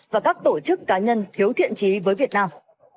và các tổ chức cá nhân thiếu thiện trí với việt nam